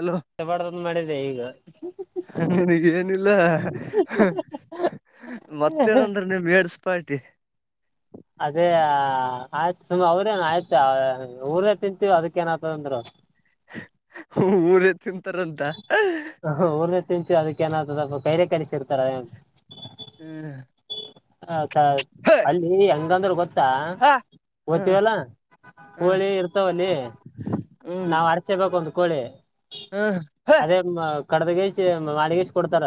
hello ಬಡ್ದದ್ ಮಾಡಿದೆ ಈಗ ನಿನಗೇಏನಿಲ್ಲ ಮತ್ತೇನಂದ್ರೆ ನೀೇಡ್ಸ್ ಉಪ್ಪ್ಟಿ ಅದೇ ಆಯ್ತ್ು ಸುಮ ಅವ್ರೇ ಆಯ್ತು ಊರನೇ ತಿಂತೀವಿ ಅದಕ್ಕ ಏನತಂದ್ರು ಹ ಊರ ಚಂತರಂತ ಏನ್ದ ಕೈಲೆ ಕಾಣಿಸಿಿರ್ತಾರ ಹ್ಮ ಹ ಅಲ್ಲಿ ಹೆಂಗಂದ್ರ ಗೊತ್ತಾ ಹಾ ಹ್ಮ್ ಗೊತವಲ್ಲ ಹ್ಮ್ ಹೋಳಿ ಇರ್ತಾವಲ್ಲಿ ಹ್ಮ್ ನಾವ್ ಅರ್ಚೆ ಬ ಬಂದ್ಕೋೊಳ್ಳಿ ಹ್ಮ್ ಹೇ ಅದೇ ಕಡ್ದಗಸ ಮಾಡಗಸ ಕೊಡ್ತಾರ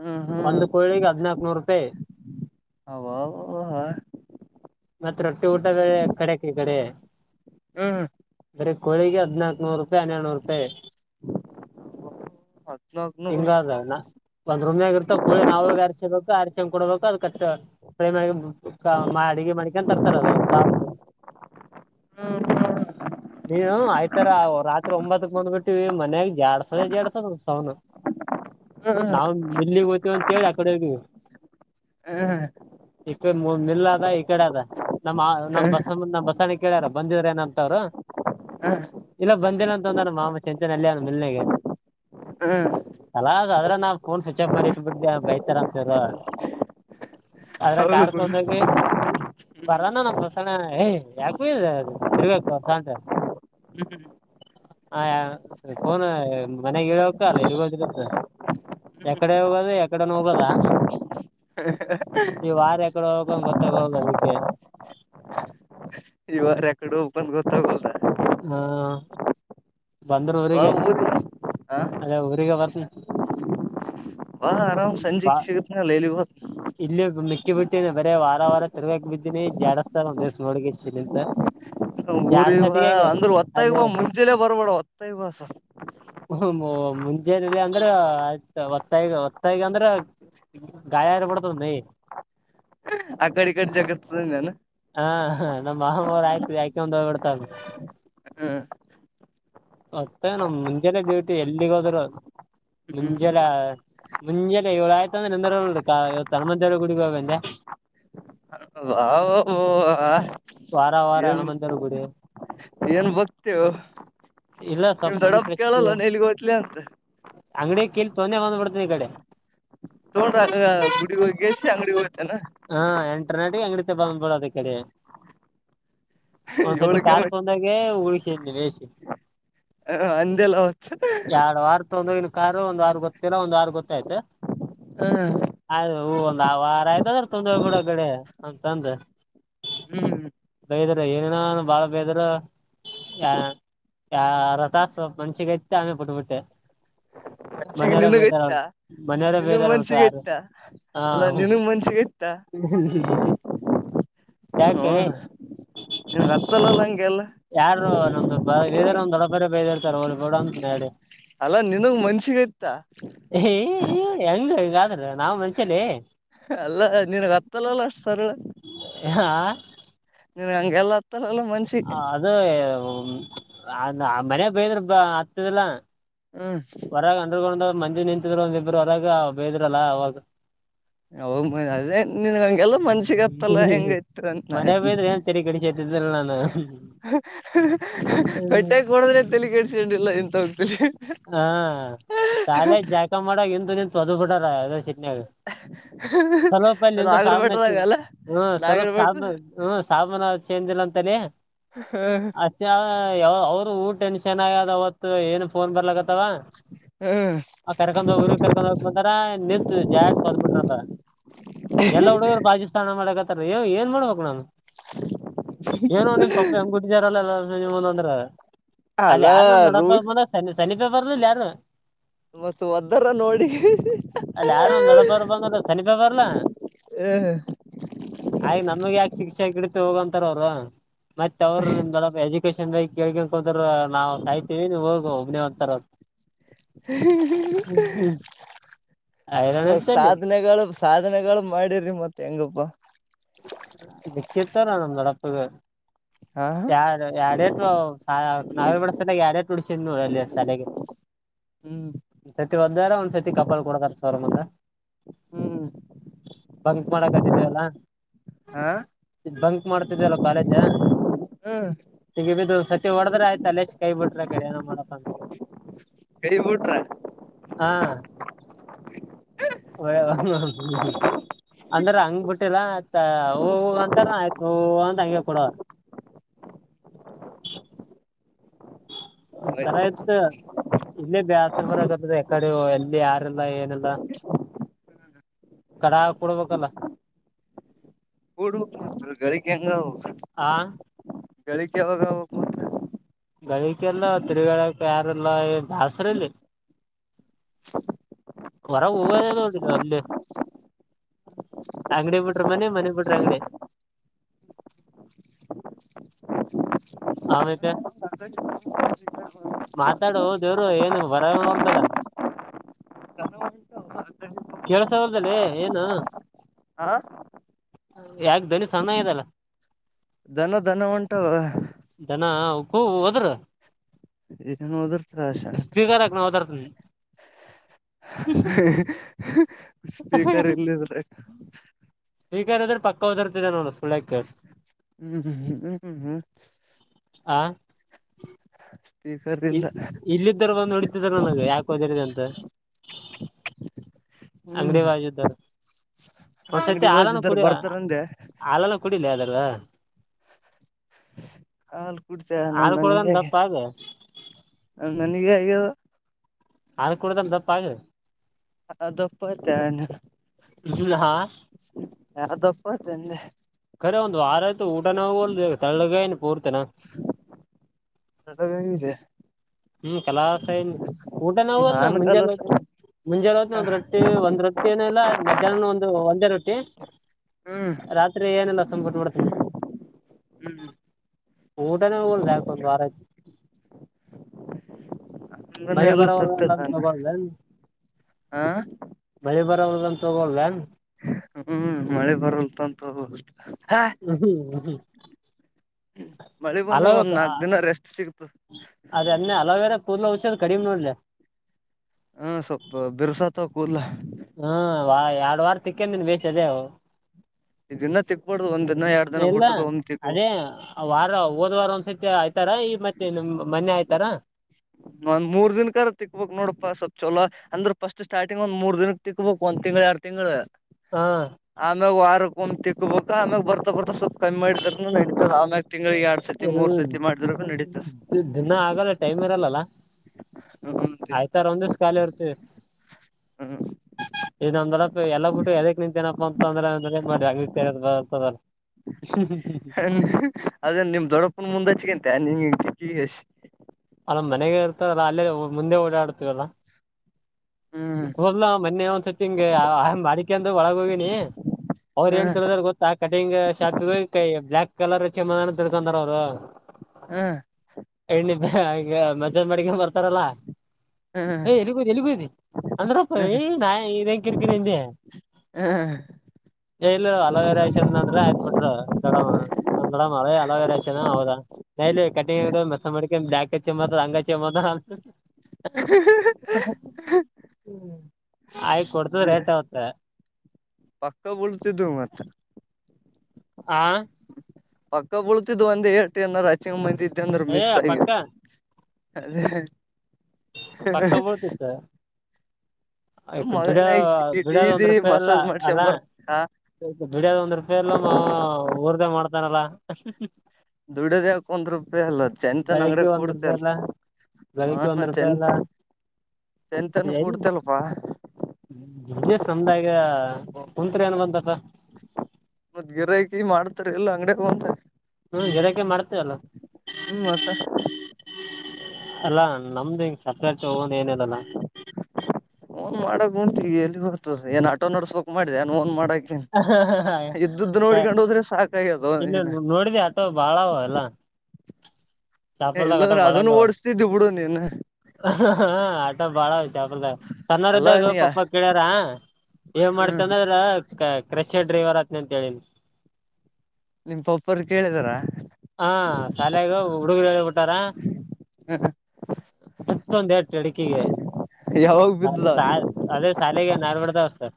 ಹ್ಮ್ ಹ್ಮ್ ಒಂದು್ ಕೋಳಿಗೆ ಹದ್ನಾಕ್ ನೂರು ರೂಪಾಯಿ ಅವ್ವವ್ವ ಮತ್ತ ರೊಟ್ಟಿ ಊಟ ಬೆೆ ಕಡೆಕ ಕಡೆ ಹ್ಮ್ ಕೋಳಿಗೆ ಹದ್ನಾಾಕ ನೂರು ರೂಪಾಯಿ ಹನ್ನೆಳ್ನೂ ರೂಪಾಯಿ ಹದ್ನಾಕ್ ನೂರ್ ಹಿಂಗದಣ ಒಂದ್ ೂಮಿಯಗ ಇರ್ತ ಕೂಳಿ ನಾವಾಗ ಅರಚಿಬೇಕು ಅ ್ ಕೊಡ್ಬೇಕು ಅದು ಕಟ್ಟ ಅಡಗೆ ಮಾಡ್ಕ ತರ್ತಾರೆ ಅದು ಒ ತು ನೀನು ಆಯ್ತರ ರಾತ್ರಿ ಒಂಬತ್ತಕ್ ಬಂದ್ಬಿಟ್ಟಿವ ಮನ್ಯಾಗ ಜಾಡ್ಸದ ಜಾಡ್ಸದಸವನು ನಾ ಇಲ್ಲಿ ಗ ಇ ಅಂತ ಹೇಳಿ ಅ ಕಡೆ ಹೋಗ ಈ ಮಿಲ್ ಅದ ಈ ಕಡೆ ಅದ ನಮ್ಮ್ ನಮ್ಮ್ ಬಸ ನಮ್ಮ ಬಸನ ಕೇಳ್ಯಾರ ಬಂದಿದ್ರ ಏನಂತ್ರು ಇಲ್ಲ ಬಂದೇನ ಂತಂದ ಮಾಮ ಚಂತೆನ ಅಲ್ಲಿ ಅ್ ಮೆಲ್ನೆಗೆ ಹ್ಮ್ ಅಲಾ ಅ ಆದ್ರೆ ನಾವು ಫೋನ್ ಸ್ವಿಚ್ ಆಫ್ ಮಾಡಿ ಇಟ್ ಬಿಿಟ್ಟಿದ್ದೆ ಬೈತಾರ ಅಂತವರು ಹೌೂಡ ಹ್ಮ್ ಣ ಏ್ ಯಾಕು ಇದೆ ಅದು ತಿರ್ಬೇಕು ಹ ಹ ಫೋನ್ ಮನೆಾಗಕ ಅಲ್ಲ ಇಲ್ಲಿಗೋದರತ್ತ ಎಕಡೆ ಹೋಗೋದ ಎಕಡೆನು ಹೋಗದ ಈ ವಾರ ಎಕಡೆ ಹೋಗಕ ಗೊತ್ತಾಗುದ ಅದಕ್ಕೆ ಈವಾರ ಎಕಡೋ ಓಪನ್ ಕೊತ ಕದ ಹ್ಮ ಬಾ ಊರಿಗೆ ಅದೇ ಊರಿಗೆ ಬರ್ತೀನಿ ಬಾ ಆರಾಮ್ ಸಂಜೆ ಬಾ ಸಿಗುತಿನಲ್ಲ ಎಲ್ಲಿಗೆ ಬಿಟ್ಟೀನಿ ಬರೇ ವಾರ ವಾರ ತಿರ್ಗಕ್ ಬಿದ್ದೀನಿ ಜಾಡಿಸಸ್ತಾರೆ ಒಂದ್ ದಿವ ಹೋರಿಗಿಸಿಗಿಂತ ಊರಿ ಅಂದ್ರೆ ಒತ್ತಾಗ ಮುಂಚೆಲೇ ಬರ್ಬೇಡ ಮತ್ತೈ ಬಸ ಹ ಮುಂಜೆಲ್ಲ ಅಂದ್ರ ಆಯ್ತ ಒತ್ತಾಯ ಒತ್ತಾಯಗ ಅಂದ್ರ ಗಾಯರಬಡ್ತ ನೀ ಆ ಕಡೆ ಕಡೆ ಜಗತ್ ನೆನ ಹಾ ಹಾ ನಮ್ಮ ಮಾವ ಅವರು ಆಯ್ತ ಆಯ್ಕ ಬಿಡ್ತಾರಾ ಹ್ಮ್ ಮತ್ತೆ ನಮ್ ಮುಂಜೆನೆೇ ಡ್ಯೂಟಿ ಎಲ್ಲಿಗ್ ಹೋದರು ಮುಂಜಾನೆ ಮುಂಜೆನೆ ಏಳು ಆಯ್ತುಂದ್ರೆಂದ ಗುಡಿಗೆ ಹೋಗಿ ಬಂದೆ ವಾರ ವಾರ ಏನ್ ಹನುಮಂತೇವ್ರ ಗುಡಿ ಏನ್ ಭಕ್ತಿಯೋ ಇಲ್ಲ ಸ್ವಲ್ಪ ನಿಮ್ ಮೈಂಡ್ ದೊಡ್ಡಪ್ಪ ಫ್ರೆಶ್ ಕೇಳಲ್ಲ ನೀ ಎಲ್ಲಿಗೆ ಹೋಯ್ತ್ಲಿ ಅಂತ ಅಂಗಡಿ ಕಲ್ ತೊಂದೆ ಬಂದ್ಬಡ್ತನ ಈ ಕಡೆ ತಕೊಂಡ್ರೆ ಗುಡಿಗೆ ಹೋಗಸಿ ಅಂಗಡಿಗೆ ಹೋಗ್ತನೆ ಅಂಗಡಿತ ಬದಬಡಾದೆ ಕಡೆ ಒಂದ್ಸತಿ ಏಳಕ್ಕೆ ಕಾರ್ ತಕೊಂಡಗೆ [inaudible] ಹ ಅಂದೆಲ್ಲೋ ಮೊಂದು ಇನ್ ಕಾರಾರ್ು ಒಂದ್ ಆರು ಗೊತ್ತಿರ ಒಂದ್ ಆರು ಗೊತ್ತಾಯ್ತು ಹಾ ಹ ಒಂದ್ ಆ ವಾರ ಆಯ್ತ ಅದ್ರ ತುಂಡ ಬಿಡಗಡೆ ಅತಂದು ಹ್ಮ್ ಬೈದರು ಏನೇನೋ ಬಾಳ ಬೇದರು ಯ ಯ ರಥ ಸ್ವ ಮನ್ಷಿಗತಿ ಆಮೇಲೆ ಬಿಟ್ಟುಬಿಟ್ಟೆ ಮನ್ಸಿಗೆ ಮನೆಯವರ ಬೇದಾರ ನಿನಗೈತ ಮನೆಯವರ ನಿನಗ್ ಬೇದಾರತ ಯಾರು ಮನ್ಸಿಗೈತ ಅಲ್ಲಾ ಹ ನಿನಗ್ ಮನ್ಸಿಗೈತ ಯಾಕೆ ನೋಡ ಹತ್ತಲ್ಲಲ್ಲ ಹಂಗೆ ಎಲ್ಲ ಯಾರು ನಮ್ಮ ಬೈದರೆ ನಮ್ಮ ದೊಡ್ಡಪ್ಪ ಅವ್ರೆ ಬೈದರು ಅಂತ ಹೇಳಿ ಅಲ್ಲ ನಿನಗ್ ಮನಸಿಗೆ ಇತ್ತ ಅಯ್ಯೋ ಹೆಂಗ ಈಗಾದ್ರ ನಾವ್ ಮನಷ್ಯಲೆ ಅಲ್ಲ ನಿನ್ಗ್ ಹತ್ತಲ್ಲಲ್ಲ ಅಷ್ಟ್ ಸರಳ ಹಾ ದಿನಗೆ ಅಂಂಗಲತ್ ತರಲ್ಲ ಮಷಿ ಹ ಆ ಮನ ಬೈದ್ರ ಬ ಹತ್ತದಲ್ಲ ಹ್ಮ್ ಹೊರ ಅಂಡ್ರಗೊಂಡ ಮಂದಜೆ ನಿಂತಿದ್ರೆ ಒಂದ್ ಇಬ್ಬರು ಹೊರಗ ಬೇದ್ರಲ್ಲ ಅವಾಗ ಅವ ಅದೇ ನಿನ್ ಹಂಗೆಲ್ಲ ಮನ್ಷಿಗ ಆತ್ತಲ್ಲ ಹೆಂಗ ಇತ್ತು ಅಂತ ನನ್ ಮನ್ಯಾಗ ಬೈದ್ರ ಏನ್ ತಲಿ ಕೆಡಿಸ್ಕೊತಿದ್ದಿಲ್ಲ ನಾನು ಕಟ್ಟೆ ಕೊಡದ್ರೆ ತಲಿ ಕೆಡ್ಸಡ್ಿಲ್ಲ ಇಂತ ಹೋಗ್ತ ಹಾ ಶಾಲೆ ಜಾಕ ಮಾಡ ಎಏ ಎುದುಫಟಾರದ ಚಿನ್ನಗ ಸ್ವಲ್ಪಲ್ಲಿಂದ ನಾಗರ ಸಾಬಾನಚ್ಚ ಬೆಟ್ಟದಾಗ ಅಲ್ಲ ಹ್ಮ ನಾಗರ ಸ್ವಲ್ಪ ಸಾ ಬೆಟ್ಟ ಹ್ಮ ಸಾಬಾನ ಚೇಜಿಲ್ಲ ಅಂತಾನನೆ ಹ್ಮ್ ಅವರು ಹೂ ಟೆನ್ಷನ್ ಆಗದ ಅವತ್ತು ಏನ್ ೋ ಬರಲ ಹ್ಮ್ ಆ ಕರ್ಕೊಂಡ್ೋಗರು ಕರ್ಕೊಂಡ ಹೋಗ ಬಂತಾರ ನಿಂತು ಜಾ ಸದ ಬಿಟ್ರಪ್ಪ ಎಲ್ಲಾ ಹುಡುಗರು ಬಾಜಿ ಸ್ನಾನ ಮಾಡಕ ಸ ಏನ್ ಮಾಡ್ಬೇಕು ನಾು ಏನು ನಿನ್ ಪಪ್ಪ ಹೆಂಗ್ುಟ್ಟಿದಾರಲ್ಲ ಎಲ್ಲಂದ ಅಂದ್ರ ಅಲ್ಲ ಅಲ್ಲಿ ಯಾರು ನಮ ನಡಪ ರೂಟ್ ಮ ಸಮನ್ನೀಪ ಬರ್ದಿಲ್ಲ ಯಾರು ಮತ್ತ ಒದ್ದಾರ ನೋಡಿ ಹ ಅಲ್ಲಿ ಯಾರು ನಮ್ ದೊಡ್ಡಪ್ಪ ಬಂದ್ರ ಸನಿಪೆ ಬರ್ಲಾ ಆಯ್ ನಮಗ್ ಯಾಕೆ ಶಿಕ್ಷೆ ಕಿಡಿತು ಹೋಗಂತಾರ ಅವ್ರ ಮತ್ತೆ ಅವ್ರು ನಿಮ್ದೊ ಲೊಕೇಶನ್ ಕಳ್ಕ ಹೋದ್ರ ನಾವವು ಸಾಯ್ತಿವಿ ನೀವು ಹೋಗ ಮನೆ ಒಂತರ ಮ ಐರಣ್ಣಂತಲ್ಲಿ ಸಾಧ ನಗಳ ಸಾಧನೆಗಳು ಮಾಡಿರಿ ಮತ್ತೆ ಹೆಂಗಪ್ಪ ಕ್ಕಿತ್ತಾರ ನಮ್ದ ದಡಪಗೆ ಹಾ ಯಾರ ಎಡ ಹ ನಾವೇತ ಯಾರೇುಡ್ಸ ಅಲ್ಲಿ ಶಲೆಗೆ ಹ್ಮ್ ಒಂದ್ ಸರ್ತಿ ಹೊದ್ದಾರ ಒಂದ್ ಸತಿ ಕಪಾಲ್ ಕೊಡತಾರ ಸವರಮಂದ ಹ್ಮ್ ಬಂಕ್ ಮಾಡಕತಿದೀವಲ್ಲ ಹಾ ಬಂಕ್ ಮಾಡ್ತಿದಲ್ ಕಾಲೇಜ್ ಹ್ಮ ಈಗ ಬಿದು ಸತಿ ಹೊಡ್ರ ಆಯ್ತ ಅಲ್ಲಷ್ಟ ಕೈ ಬಿಡ್ರೆ ಕಡೆಏನ ಮಾಡಪ್ಪ ಅಂತ ಕೈ ಬಿಟ್ರ ಹಾ ಅಂದ್ರೆ ಹಂಗ್ ಬಿಿಟ್ಟಿಲ್ಲ ಹೂ ಅಂತಾರ ಆಯ್ತು ಹ ಅಂತ ಹಂಗಗೆ ಕೊಡುವ ಒ ತರ ಇತ್ ಇಲ್ಲೇ ಬಸಲ್ ಬರ್ಕತ್ತದ ಯಕಡೆ ಎಲ್ಲಿ ಯಾರಲ್ಲ ಏನೆಲ್ಲ ಕಡ ಕೊಡ್ಬೇಕಲ್ಲ ಗಳ ಕೆಂಗ ಆ ಬೆಳಿಿಕ ಯಾವಾಗ ಹೋಗ ಮತ್ತ ಳಿಕೆ ಎಲ್ಲ ತಿರುಗಾಳಕ ಯಾರಲ್ಲ ದಾಸ್ರಲ್ಲಿ ಹೊರ ಹೋಗೋದೇ ನೋದಿಲ್ಲ ಅಲ್ಲಿ ಅಂಗಡಿ ಬಿಟ್ರಿ ಮನೆ ಮನೆ ಬಿಡ್ರಿ ಅಂಗಡಿ ಆಮೇತ ಮಾತಾಡು ದೇವರು ಏನು ಬರಲ್ದಲ್ಲ ಕೆಳ್ಸ ಹೊಲ್ದದಲ್ಲಿ ಏನು ಆ ಯಾಕ ದನಿ ಸಣ್ಣ ಇದಲ್ಲ ದನ ದನ ಉಂಟ ಜನಕ್ಕೂ ಹೋದರು ಇದನು ಓದರ್ತದಷ ಹಾಕ್ ನಾ ಓದಾರ್ತನಿ ಹ್ಮ ಹ್ಮ ಸ್ಪೀಕರ್ ಎಲ್ಲಿದ್ರ ಸ್ವೀಕಾರದ್ರ ಪಕ್ಕ ಓದಿರ್ತದೆ ನೋಡ ಸುಳ್ಯಕ ಹ್ಮ್ ಹ್ಮ್ ಹ್ಮ್ ಹ್ಮ್ ಹ್ಮ್ ಹ್ಮ್ ಆ ಸ್ಪೀಕರ್ ಇಲ್ಲ ಇಲ್ಲಿದ್ದರ ನೋಡಿ ನನಗೆ ಯಾಕ ಹದಿದೆ ಅಂತ ಹ್ಮ್ ಅಂಗಡಿ ಬಾಜ ಇದ್ದಾರ ಒಂದ್ಸತಿ ಅಂಗಡಿ ಹಾಲನು ಬಾಜಿದಾರ ಕುಡಿಯುವ ಬರ್ತಾರಂದೆ ಹಲನ ಕುೂಡಿಿಲ್ಲ ಯ್ದಾರವಾ ಹಾ ಕುಡ್ತೇ ನನ್ನ ನಿಜಗೆ ನ ನನಗೆ ಹಗ ಆ ಕುೂಡ್ದಲ್ಲ ದಪ್ಪ ಆ ಅದುಪ್ಪತನೆ ಹ ಹಾ ಯಾವ ದಪ್ಪ ತಂದೆ ಬ ಒಂದು ವಾರ ಆಯತು ಊಟನೋಲ್ ತಳ್ಳಗ ನ್ ಪೂರ್ತನಾ ನಟಿದೆ ಹ್ಮ್ ಕೆಲಾ ಊಟ ನಾವು ಅಲ್ಲ ನಾನ್ ಮುಂಜೆ ಕಲಸ ಮುಂಜೆ ಹೊತ್ ಒಂದ್ ರಟ್ಟಿ ಒಂದ್ೊ ಏನ ಇಲ್ಲ ಮಧ್ಯಾಹ್ನನ ಒಂದು ಒಂದೇ ರೊಟ್ಟಿ ಹ್ಮ್ ರಾತ್ರಿ ಏನಲ್ಲ ಸಂಬ್ಬಟ್ಬಡ್ತನಿ ಹ್ಮ್ ಊಟನ ಉಳ್ದ ಯಾಕ ಒಂದು್ ವಾರ ಆಯತ ಅಂದನ ಬಳಿ ಎಲ್ಲ ಬರಲ್ಲಲ್ಲ ತತ್ತ ನಾನ ತಗೊಲ್ಲ ಹ ಬಳಿ ಬರ ತಗೊಳದ ಹ್ಮ್ ಮಳೆ ಬರಲ್ತ ಅಂತ ಹ ಹ ಹ್ಮ ಹ್್ ಮಳಿ ಬಂದ್ರೆ ಒಂದ್ ನಾಕ್ ದಿನ ರೆಸ್ಟ್ ಸಿಗ್ತು ಅದನ್ನ ಅಲಾವೇರ ಕೂದಲ ಹಚ ಕಡಿಮೆ ನೋಡ್ಲ ಹ್ಮ ಸ್ವಲ್ಪ ಬಿರ್ಸಾತ ಕೂದಲ ಹ್ಮ ವ ಎರಡು ವಾರ ತಿಕ್ಕಂದನ್ ಬೇಷ ಅದೆೇವು ಇದಿನ ತಿಕ್ಬಾರಡ್ದು ಒಂದ್ ದಿನ ಎರಡ್ ದಿನ ಹುಟ್ಟಕ ಒಂದ್ ತಿಕ್ಕು ಅದೇ ವಾರ ಹೋದ ವಾರ ಒಂದ್ಸತಿ ಆಯ್ತಾರ ಈ ಮತ್ತೆ ನಿಮ್ ಮನೆೆ ಆಯ್ತಾರ ಒಂದ ಮೂರ್ ದಿನನ್ ಕರ ತಿಕ್ಬಕ್ ನೋಡಪ್ಪಾ ಸ್ವಲ್ಪ ಚಲ ಅಂದ್ರ ಫಸ್ಟ್ ಸ್ಟಾರ್ಟಿಂಗ್ ಒಂದ್ ಮೂರ್ ದಿನ ತಿಕ್ಬೇಕ ಒಂದ ತಿಂಗ್ಳ ಎರಡ್ ತಿಂಗ್ ಹಾ ಆಮ್ಯಾಗ ವಾರ ಒ್ ತಿಕ್ಕೋಬೇಕ ಆಮ್ಯಾಗ ಬರ್ತಾ ಬರ್ಾ ಸ್ವಲ್ಪ್ ಕಮ್ಮಿ ಮಾಡಿದಾರ ನೆನ್ ನಡೀತದ ದಿನ ಆಗಲ್ಲ ಟೈಮ್ ಇರಲ್ಲಲ್ಲ ಹ್ಮ್ ಆಯ್ತಾರ ಒಂದ್ ದಿವ್ಸ ಖಾಲಿ ಇರ್ತೀವಿ ಹ್ಮ್ ಇ ಅಂದ್ರ ಎಲ್ಲಾ ಬಿಟ್ಟುದಕ್ ನಿಂತೇನಪ್ಪ ಅಂತಂದ್ರೆ್ರ ಏನ್ ಮಾಡ್ರಿ ಆ ಬರ್ತದಲ್ಲ ಅದೇ ನಿಮ್ ದೊಡ್ಡಪ್ಪನ ಮುಂದಚ್ಿಕನ್ ನಿ ಕಷ್ಟ ಅ ಮನೆಗೆ ಇರ್ತದಲ್ಲ ಅಲ್ಲೇ ಮುಂದೆ ಓಡಾಡ್ತವಲ್ಲ ಹ್ಮ್ ಹೋದಲ ಮೊನ್ನೆ ಒಂದ್ಸತಿ ಹಂಗ ಬಾಡಿಕೆ ಅಂದ್ರ ಒಳಗ ಹೋಗಿನಿ ಅವರು ಏನ್ ಹ್ಮ್ ತಿಳದ್ರ ಗೊತ್ತಾ ಕಟಿಂಗ್ ಶಾಪ್ ಕೈ ಬ್ಲಯಾಕ್ ಕಲರ್ ಚಮ್ಮದಾನ ತಿಳ್ಕಂತಾರ ಅವರು ಹ್ಮ್ ಎಣ್ಣ ಮಜ್ಜನ್ ಮಡಿಕನ್ ಬರ್ತಾರಲ್ಲಾ ಹ್ಮ್ ಏ ಎಲ್ಲಿ ಎಲ್ಲಿಿ ಅಂದ್ರ ಹ ನ ಕರ್ಕರಿ ಹ ಎ ಹಲವೆರೆ ಆ ಅಂದ್ರ ಆಯ್ ಬಿಟರು ದಡ ನಮ ದಡ ಹಲವೆೇ ಆಚೆ ಹೌದ ನ ಇಲ್ಲಿ ಕಟಿಂಗ ಮೆಸ ಮಾಡ ್ಾಕ ಚಮತದ ಹಂಗ ಚಮ್ಮತ್ ಆಯ್ ಕೊಡ್ತು ರೇಟ್ ಆತ್ ಪಾಕ್ಕ ಬೊತ ದ ಮಾತ ಹ ಆಾ ಪಕ್ಕ ಬಳತಿದ್ದು ಒಂದ ಎಏಷ್ಟು ನಾರರು ಅಚ್ಚಿಂಗ್ಂತಿದ್ದ್ ಂದ್ರ ಏ ಮಿಸ್ ಆಗ ಪಕ್ಕಾ ಅದ ಪಕ್ಕಾ ಬೀಳ್ತಿತ್ತ ಆಯ್ತ್ ದುಡ್ಯೋ ಮಗನ ದುಡ್ಯೋದ್ ಗಿಟೀದಿ ಮಸಾಜ್ ಮಾಡ್ಸ ಬರ್ತ ಬಿಡಿಯದ ಒಂದ್ ರೂಪಾಯಿ ಎಲ್ಲ ಹೊರದೆ ಮಾಡ್ತಾರಲ್ಲ ದುಡದ ಯಾಕ ಒಂದ್ ರೂಪಾಯಿ ಅಲ್ಲ ಚಂತನ್ ಿಕೆ ಅಂಗಡ್ಯಾಗ ಒಂದ್ ರೂಪ ಕೂಡ್ತಿಯಲ್ಲ ಅಲ್ಲ ಗಳಿಕೆ ಒಂದ್ ಮಾನ ರೂಪಾಯ ಚಂತ ಅಲ್ಲ ಚಂತನ್ ಕೂಡ್ತಿಯಲ್ಲಪ್ಪಾ ಬಿಸ್ನೆಸ್ ನಮ್ದಾಗ ಕುಂತ್ರಿ ಏನ್ ಬಂತ ಮದ್ ಗಿರಕಿ ಮಾಡ್ತ ಎಲ್ಲಾ ಅಂಗಡಗೂಂತ ಜರಕೆ ಮಾಡ್ತೇವಲ್ಲ ಹ್ಮ್ ಮತ್ತ ಅಲ್ಲಾ ನಮ್ದು ಹಿಂಗ ಸತ್ಯಚ ಹೋಗಂದ್ ಏನದಲ್ಲ ಓನ್ ಮಾಡಕ್ ಎಲ್ಲಿ ಬತ ಏನ್ ಆಟೋ ನಡ್ಸ್ಬೇಕಕ್ ಮಾಡಿದೆೆ ನಾನ ನ್ ಮಾಡಕ್ ಹೋದ್ರೆ ಸಾಕಾಗ್ಯದೋ ಇನ್ನು ನೀನ್ ನೋಡಿದ ಆಟೋ ಬಾಳ ಅಲ್ಲ ಏ ಶಾಪರ್ದಾಗ ಆಟೋ ಇಲ್ಲಾಂದ್ರ ಬಾಳಾಗ ಅದನ್ನು ಓಡಸ್ತಿದ್ದಿ ಬಿಡು ನೀನ್ ಆಟೋ ಬಾಳ ಶಾಪರ್ದಾಗ ಅಲ್ಲಾ ಸಣ್ಣಾರದಾಗ ನೀ ಪಪ್ಪ ಕಳ್ಯಾರ ಏನ್ ಹ್ಮ್ ಮಾಡ್ತಂದದ್ರ ಕ್ರಷೆ ಡ್ರೈವರ್ತ್ತ ಇಂತೇಳನಿ ನಿಮ ಪಾಪರು ಕೇಳಿದಾರ ಹಡುಗರ ರ ಜತ್ತೊಂದ ಎರಡು ಡಿಕಿಗೆ ಯಾವಾಗ ಬಿದ್ದದ ಅದೇ ಶಾಲೆಗೆ ನಾರ್ಗಡದ ಹ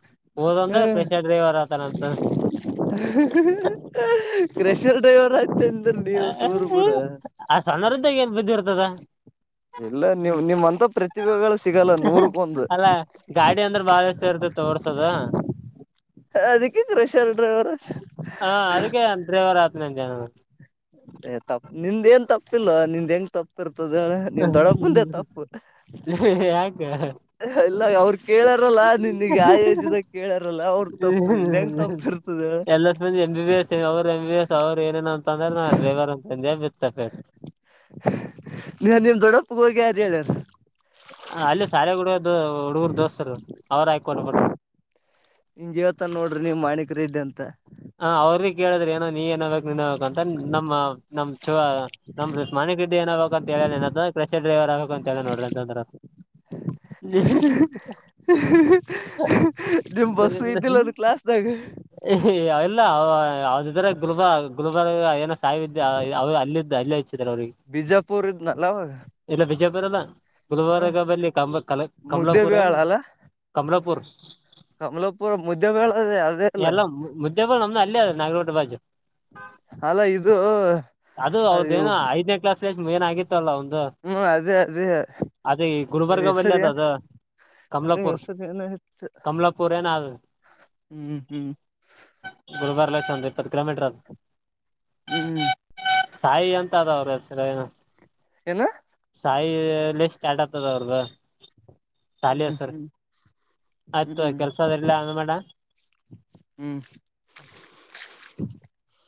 ಹದಂದ್ರ ತ ನಂತ ಕೃಷ್ಣರ್ ಡ್ರೈವರ್ ಆಯ್ತ ಅಂದ್ರ ನೀವು ಹ ಸೂರು ಬಿಡ ಆ ಸನಾರದ್ದಏ ಬಿದ್ದಿರ್ ಅದಾ ಇಲ್ಲ ನಿಮ್ ನಿಮ್ಮಂತ ಪ್ರತಿಭೆಗಳು ಸಿಗಲ್ಲ ನೂರಕ್ಕೊಂದು ಅಲ್ಲ ಗಾಡಿ ಅಂದ್ರೆ ಬಾಳ ಇಷ್ಟ ಇತ ತೋರ್ಸದ ಅದಕ್ಕೆ ಕ್ರೆಷರ್ ಡ್ರೈವ ರಾತ್ ನ ಅ ಜ ಇಲ್ಲ ನಿಂದ್ ಹೆಂಗ್ ತಪ್ಪಿರ್ ಇರ್ತದ ನಿನ್ ದೊಡ್ಡಪ್ಪಂದೆ ತಪ್ಪು ಯಾಕ ಎಲ್ಲ ಅವ್ರ ಕೇಳಾರಲ್ಲ ನಿನ್ನಿಗೆ ಆ ಯೋಜಿದಾಗ ಕೇಳಾರಲ್ಲ ಅವ್ರ ತಪ್ಪು ನಿನ್ ಹೆಂಗ ತಪ್ಪ ಇರ್ತದ ಎಲ್ಲ ಮಂದಿ ಎಂ ಅ ಡ್ರೈವರ್ಂದಜ ಇತ್ತಫ ನೀ ನಿಮ್ ದೊಡ್ಡಪ್ಪ ಹೋಗಿ ಅಾರ ಹೇಳಾರ ಅಲ್ಲಿ ಸಾರಗುಡಿಯ ಹುಡುಗರು ದೋಸ್ತರು ಅವ್ರು ಆಯಕ ಕೊೊಂಡಬಟ್ಟ ನಿಂಗ ಇವತ್ತ ನೋಡ್ರಿ ನೀ ಮಾಣಿಕರ ಇದ್ದ ಅಂತ ಹ ಅವ್ರದ ಕೇಳಿದ್ರೆ ಏನೋ ನೀ ಏನ ನ್ಬೇಕ ಅಂತ ನಮ್ಮ ನಮ್ಮ್ ಚ ನಮ್ದ್ಮಾನಿ ಗಿಡ್ಡಿ ಏನ್ಬೇಕಂತ ಹೇಳ ಏನ ಕಶ ಡ್ರೈವರ್ ಆಗ್ಬೇಕು ಅಂತ ಹೇಳ ನೋಡ್ರಿ ಅಂತಂದ್ರ ನಿಮ್ ಬಸ್ಸು ಇದ್ದಿಲ್ಲನ್ ಕ್ಲಾಸ್ದಾಗ ಅಲ್ಲ ಹ ಯಾವ್ದಿದ್ರ ಗುಲ್ಬ ಗುಲ್ ಆ ಎಸ್ ಸಾವಿದ ಅವ ಅಲ್ಲಿದ್ದ ಅಲ್ಲೇ ಹಚ್ಚಿದಾರೆ ಅವ್ರಿಗೆ ಬಿಜಾಪುರ್ ಇದ್ನಲ್ಲ ಅವಾಗ ಎಲ್ಲ ಬಿಜಯ ಬರಲ್ಲ ಹ ಬುಧವಾರಗ ಬಿ ಕ ಕಲ ಕಮಲಾಪುರ ಮುದ್ದೇಬೇಳ ಏನು ಅಲ್ಲ ಅಮಲಪುರ್ ಕಮಲಾಪುರ ಮುದ್ದ್ಯೇಳದದೆ ಅದೇ ಅಲ್ಲ ಎಲ್ಲ ಮುದ್ದೇಬಿಲ್ ನಮ್ದು ಅಲ್ಲೇ ನಾಗರಕೋಟೆ ಬಾಜು ಅಲ್ಲ ಇದು ಅದು ಅದ ಅವ್ರದ್ದೇನೋ ಐದನೇ ಕ್ಲಾಸ್ ಏನ್ ಆಗತ್ತುತ್ತಲ್ಲಂದು ಹ್ಮ್ ಅದೇ ಅದೇ ಈ ಅದ ಗುಲ್ಬರ್ಗ ಬಲ್ಲಿ ಹೆಸರಿಯ ಅದ ಅದು ಅದೇ ಕಮಲಾಪುರ್ ಹೆಸರಿ ನ ಹೆತ್ತು ಕಮಲಾಪುರ್ ಏನ ಅದು ಹ್ಮ್ ಹ್ಮ್ ಗುರುಬಾರಲ ಸಂದ ಇಪ್ಪತ್ತು ಕಲೋಮೀಟರ್ ಆದ ಹ್ಮ್ ಸಾಯಿ ಅಂತ ಅದ ಅವ್ರ ಹೆಸರ ಏನು ಏನ ಸಾಯ ಸ್ಟಾರ್ಟ್ ಆಗ್ತದ ಅವರ್ಗ ಹ್ಮ್ ಹ್ಮ್ ಹ್ಮ್ ಆಯ್ತು ಹ್ಮ್ ಕೆಲ್ಸ ಅದೆಲ್ಲ ಮಾಡೇಡ ಹ್ಮ್ [inaudible]